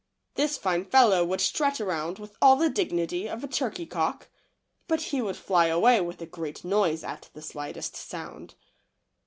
This fine fellow would strut around with all the dignity of a turkey cock, but he would fly away with a great noise at the slightest sound.